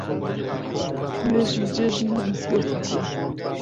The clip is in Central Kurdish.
نوێژی جێژن لە مزگەوت ئەکەین